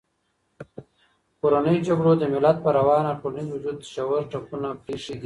کورنیو جګړو د ملت پر روان او ټولنیز وجود ژور ټپونه پرېښي دي.